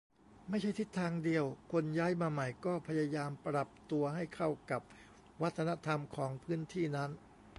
ไม่ใช่ทิศทางเดียว คนย้ายมาใหม่ก็พยายามปรับตัวให้เข้ากับวัฒนธรรมของพื้นที่นั้น